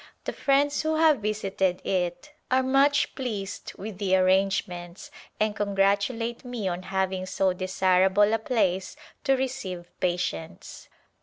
The friends who have visited it are much Busy Days pleased with the arrangements and congratulate me on having so desirable a place to receive patients.